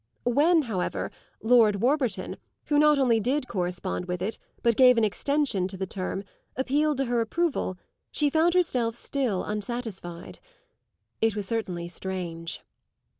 When, however, Lord Warburton, who not only did correspond with it, but gave an extension to the term, appealed to her approval, she found herself still unsatisfied. It was certainly strange.